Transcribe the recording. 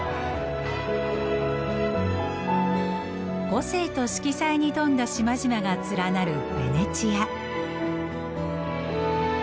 個性と色彩に富んだ島々が連なるベネチア。